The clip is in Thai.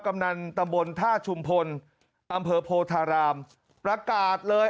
กำนันตำบลท่าชุมพลอำเภอโพธารามประกาศเลย